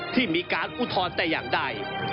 ที่มีการอุทธรณ์แต่อย่างใด